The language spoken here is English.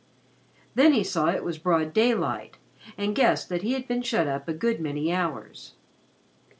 Then he saw it was broad daylight, and guessed that he had been shut up a good many hours.